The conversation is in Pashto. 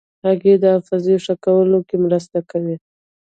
هګۍ د حافظې ښه کولو کې مرسته کوي.